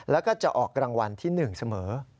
แล้วก็จะออกรางวัลที่๑เสมอ